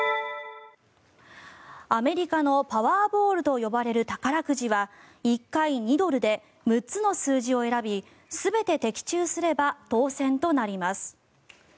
アメリカのパワーボールと呼ばれる宝くじは１回２ドルで、６つの数字を選び全て的中すれば当選となります。